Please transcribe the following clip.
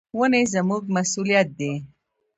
ونې زموږ مسؤلیت دي.